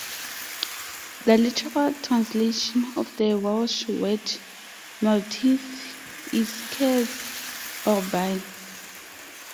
The literal translation of the Welsh word 'melltith' is "Curse", or "Bane".